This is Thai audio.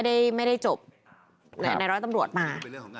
ไม่ได้จบในร้อยตำรวจมา